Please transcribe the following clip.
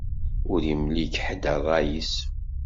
Ur imlik ḥedd ṛṛay-is.